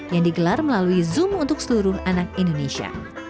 yang digelar melalui zoom untuk seluruh anak indonesia